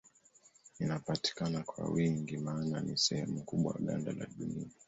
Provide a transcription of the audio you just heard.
Inapatikana kwa wingi maana ni sehemu kubwa ya ganda la Dunia.